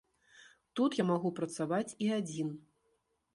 Тут я магу працаваць і адзін.